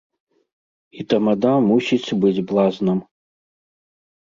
І тамада мусіць быць блазнам.